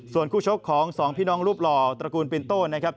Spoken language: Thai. ส่วนคู่ชกของสองพี่น้องรูปหล่อตระกูลปินโต้นะครับ